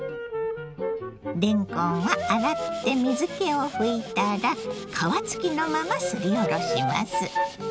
れんこんは洗って水けをふいたら皮付きのまますりおろします。